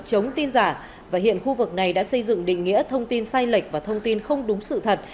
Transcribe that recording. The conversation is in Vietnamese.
chống tin giả và hiện khu vực này đã xây dựng định nghĩa thông tin sai lệch và thông tin không đúng sự thật